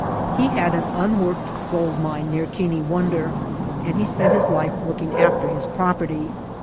He had an unworked gold mine near Keane Wonder and he spent his life looking after his property.